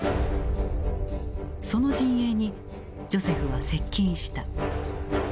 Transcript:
その陣営にジョセフは接近した。